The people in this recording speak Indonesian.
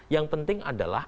yang penting adalah